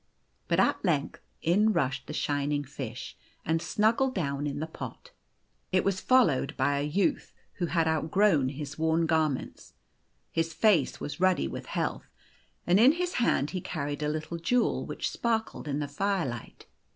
But at length in rushed the shining fish, and snuggled down in the pot. It was followed by a youth who had outgrown his worn garments. His face was ruddy with health, and in his hand he carried a little jewel, which sparkled in the firelight.